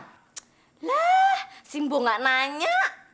lah si mbok gak nanya